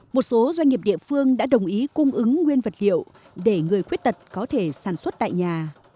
một số doanh nghiệp địa phương đã đồng ý cung ứng nguyên vật liệu để người khuyết tật có thể sản xuất tại nhà